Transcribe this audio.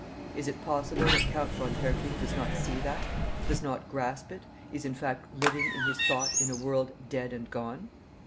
Is it possible that Count von Hertling does not see that, does not grasp it, is in fact living in his thought in a world dead and gone?